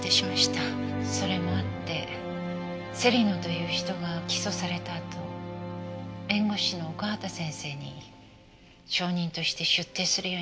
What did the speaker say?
それもあって芹野という人が起訴されたあと弁護士の奥畑先生に証人として出廷するように要請されて。